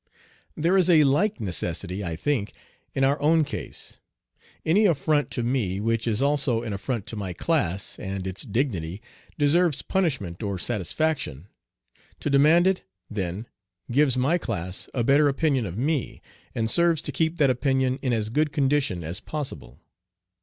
There is a like necessity, I think, in our own case. Any affront to me which is also an affront to my class and its dignity deserves punishment or satisfaction. To demand it, then, gives my class a better opinion of me, and serves to keep that opinion in as good condition as possible.